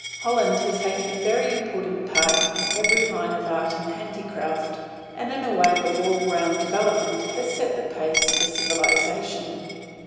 Holland has taken a very important part in every line of art and handicraft, and in way of all round development has set the pace for civilization.